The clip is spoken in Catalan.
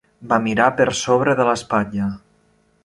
Va mirar per sobre de l'espatlla.